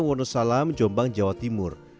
wonosalam jombang jawa timur